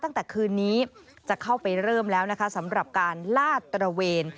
ตั้งแต่คืนนี้จะเข้าไปเริ่มแล้วนะคะสำหรับการลาดตระเวน